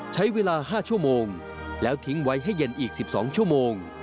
ใช้เวลา๕ชั่วโมงแล้วทิ้งไว้ให้เย็นอีก๑๒ชั่วโมง